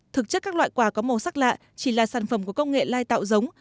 thực chất các loại quả có màu sắc lạ chỉ là sản phẩm của công nghệ lai tạo giống